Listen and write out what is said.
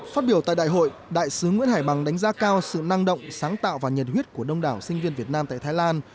phát biểu tại đại hội đại sứ nguyễn hải bằng đánh giá cao sự năng động sáng tạo và nhiệt huyết của đông đảo sinh viên việt nam tại thái lan